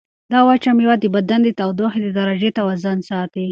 دا وچه مېوه د بدن د تودوخې د درجې توازن ساتي.